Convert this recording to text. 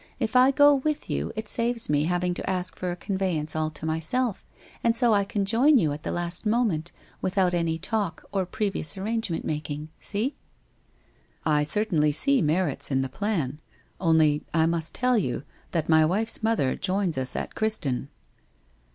If I go with you it saves me having to ask for a conveyance all to myself, and so I can join you at the last moment, without any talk or previous ar rangement making. See ?'' I certainly see merits in the plan. Only — I must tell you, that my wife's mother joins us at Criston.'